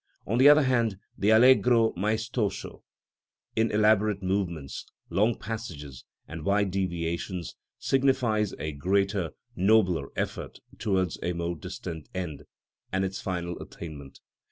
On the other hand, the Allegro maestoso, in elaborate movements, long passages, and wide deviations, signifies a greater, nobler effort towards a more distant end, and its final attainment.